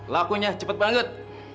lakunya cepet banget